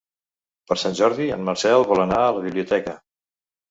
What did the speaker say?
Per Sant Jordi en Marcel vol anar a la biblioteca.